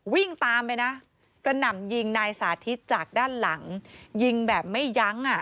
วิ่งตามไปนะกระหน่ำยิงนายสาธิตจากด้านหลังยิงแบบไม่ยั้งอ่ะ